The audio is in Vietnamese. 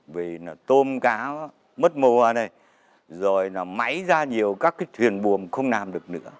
vì tôm cá mất mùa này rồi máy ra nhiều các thuyền buồm không làm được nữa